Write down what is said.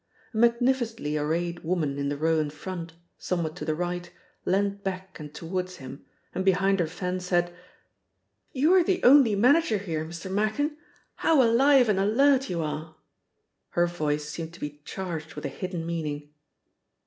A magnificently arrayed woman in the row in front, somewhat to the right, leaned back and towards him, and behind her fan said: "You're the only manager here, Mr. Machin! How alive and alert you are!" Her voice seemed to be charged with a hidden meaning.